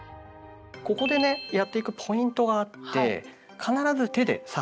ここでねやっていくポイントがあって必ず手で支えを作って下さい。